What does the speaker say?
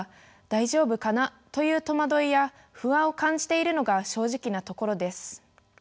大丈夫かな」という戸惑いや不安を感じているのが正直なところです。